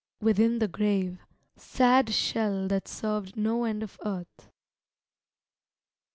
within the grave, Sad shell that served no end of Earth.